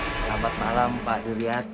selamat malam pak duryat